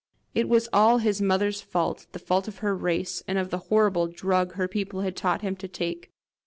It was all his mother's fault the fault of her race and of the horrible drug her people had taught him to take!